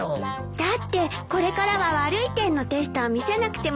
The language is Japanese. だってこれからは悪い点のテストを見せなくてもいいんでしょ。